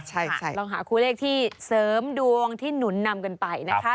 ใช่ค่ะลองหาคู่เลขที่เสริมดวงที่หนุนนำกันไปนะคะ